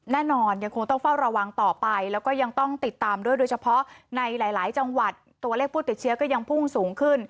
ยังคงต้องเฝ้าระวังต่อไปแล้วก็ยังต้องติดตามด้วยโดยเฉพาะในหลายจังหวัดตัวเลขผู้ติดเชื้อก็ยังพุ่งสูงขึ้น